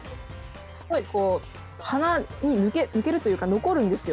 すごいこう鼻に抜けるというか残るんですよ。